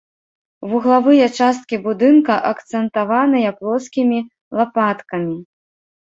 Вуглавыя часткі будынка акцэнтаваныя плоскімі лапаткамі.